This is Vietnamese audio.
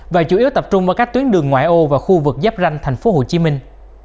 và chủ yếu tập trung ở các tuyến đường ngoại ô và khu vực giáp ranh thành phố hồ chí minh